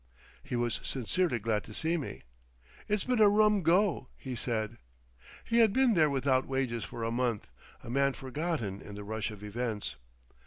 He was sincerely glad to see me. "It's been a rum go," he said. He had been there without wages for a month, a man forgotten in the rush of events.